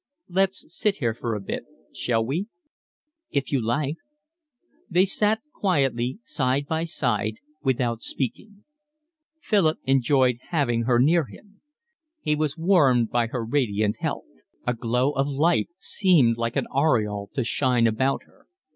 "Let's sit here for a bit, shall we?" "If you like." They sat quietly, side by side, without speaking. Philip enjoyed having her near him. He was warmed by her radiant health. A glow of life seemed like an aureole to shine about her.